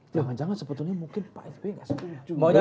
jangan jangan sebetulnya mungkin pak sby nggak setuju